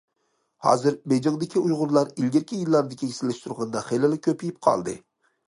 ھازىر بېيجىڭدىكى ئۇيغۇرلار ئىلگىرىكى يىللاردىكىگە سېلىشتۇرغاندا خېلىلا كۆپىيىپ قالدى.